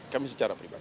kami secara pribadi